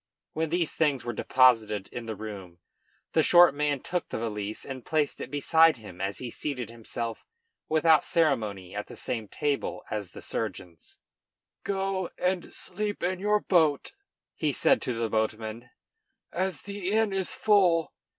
When these were deposited in the room, the short man took the valise and placed it beside him as he seated himself without ceremony at the same table as the surgeons. "Go and sleep in your boat," he said to the boatmen, "as the inn is full.